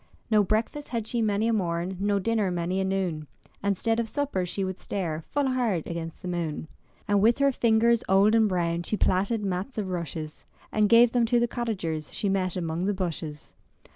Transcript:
No breakfast had she many a morn. No dinner many a noon, And 'stead of supper she would stare Full hard against the moon. And with her fingers old and brown She plaited mats of rushes. And gave them to the cottagers She met among the bushes.